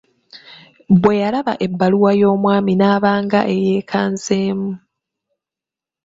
Bwe yalaba ebbaluwa y'omwami n'aba ng'eyeekanzeemu.